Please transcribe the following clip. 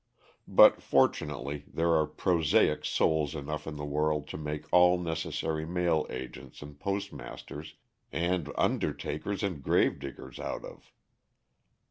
But fortunately there are prosaic souls enough in the world to make all necessary mail agents and postmasters, and undertakers and grave diggers out of.